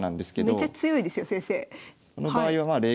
めちゃ強いですよ先生。